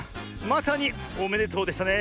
まさにおめでとうでしたね。